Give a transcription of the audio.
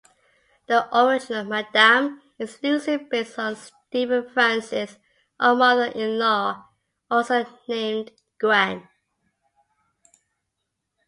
The original "Madam" is loosely based on Stephen Francis' own mother-in-law, also named Gwen.